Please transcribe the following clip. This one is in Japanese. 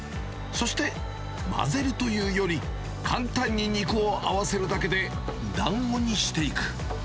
そして、混ぜるというより、簡単に肉を合わせるだけでだんごにしていく。